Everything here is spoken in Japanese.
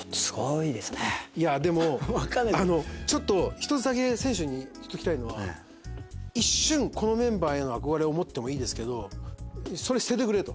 いやでもちょっと一つだけ選手に言っときたいのは一瞬このメンバーへの憧れを持ってもいいですけどそれ捨ててくれと。